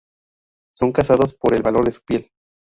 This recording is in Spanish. Son cazados por el valor de su piel.